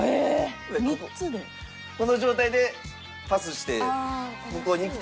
この状態でパスして向こうにいくと。